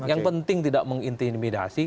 yang penting tidak mengintimidasi